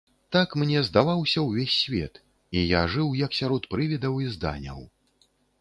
Так мне здаваўся ўвесь свет, і я жыў як сярод прывідаў і зданяў.